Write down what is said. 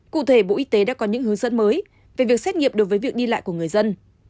cụ thể bộ y tế đã có những hướng dẫn mới về việc xét nghiệm đối với việc đi lại của người dân